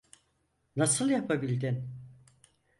Nasıl yapabildin?